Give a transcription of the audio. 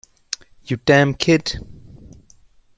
You Damn Kid!